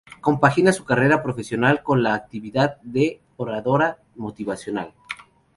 Compagina su carrera profesional con la actividad de oradora motivacional.